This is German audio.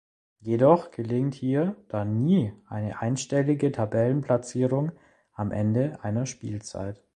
Jedoch gelingt hier dann nie eine einstellige Tabellenplatzierung am Ende einer Spielzeit.